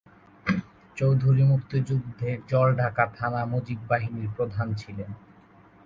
চৌধুরী মুক্তিযুদ্ধে জলঢাকা থানা মুজিব বাহিনীর প্রধান ছিলেন।